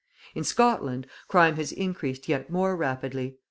In Scotland, crime has increased yet more rapidly.